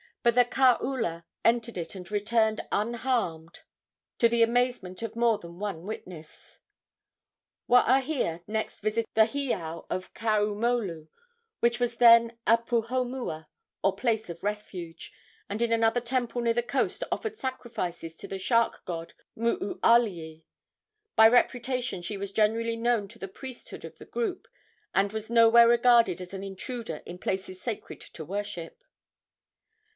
But the kaula entered it and returned unharmed, to the amazement of more than one witness. Waahia next visited the heiau of Kaumolu, which was then a puhonua, or place of refuge, and in another temple near the coast offered sacrifices to the shark god Mooalii. By reputation she was generally known to the priesthood of the group, and was nowhere regarded as an intruder in places sacred to worship.